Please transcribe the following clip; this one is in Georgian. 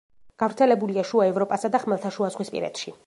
გავრცელებულია შუა ევროპასა და ხმელთაშუაზღვისპირეთში.